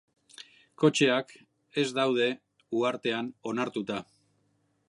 Kotxeak ez daude uhartean onartuta.